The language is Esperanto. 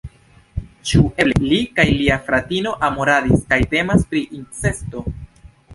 Ĉu eble li kaj lia fratino amoradis, kaj temas pri incesto?